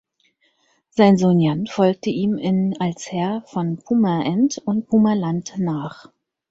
Sein Sohn Jan folgte ihm in als "Herr von Purmerend und Purmerland" nach.